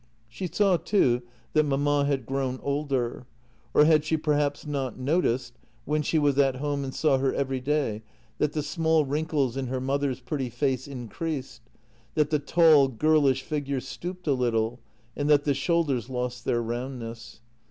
She saw, too, that mamma had grown older — or had she perhaps not noticed, when she was at home and saw her every day, that the small wrinkles in her mother's pretty face increased, that the tall, girlish figure stooped a little, and that the shoulders lost their roundness?